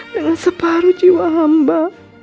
dengan separuh jiwa hamba